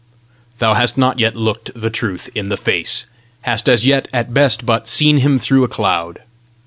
Thou hast not yet looked the Truth in the face, hast as yet at best but seen him through a cloud.